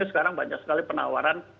jadi sekarang banyak sekali penawaran